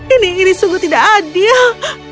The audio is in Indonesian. ini ini sungguh tidak adil